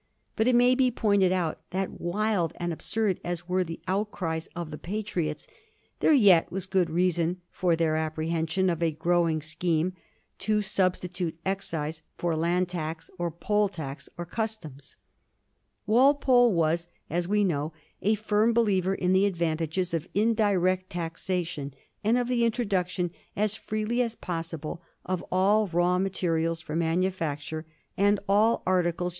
But it may be pointed out that wild and absurd as were the outcries of the Patriots, there yet was good reason for their appre hension of a growing scheme to substitute excise for land tax, or poll tax, or customs. Walpole was, as we know, a firm believer in the advantages of indirect taxation, and of the introduction, as fi eely as possible, of all raw materials for manufacture and all articles Digiti zed by Google 41 fi A HISTORY OF THE FOUR GEORGES. ch. xx.